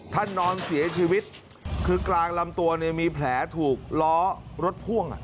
ท่านนอนเสียชีวิตคือกลางลำตัวมีแผลถูกล้อรถพ่วง